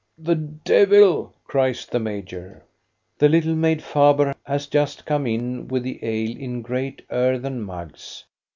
" The devil !" cries the major. The little maid Faber has just come in with the ale in great earthen mugs.